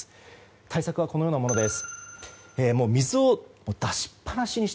対策はこのようなものです。